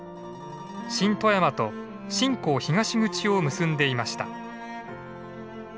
新富山と新港東口を結んでいました。